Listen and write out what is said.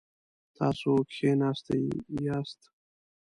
تاسو کښیناستی یاست؟